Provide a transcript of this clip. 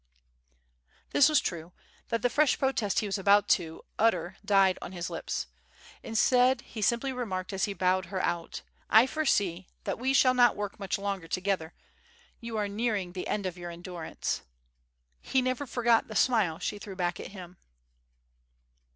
This was so true, that the fresh protest he was about to utter died on his lips. Instead, he simply remarked as he bowed her out: "I foresee that we shall not work much longer together. You are nearing the end of your endurance." He never forgot the smile she threw back at him.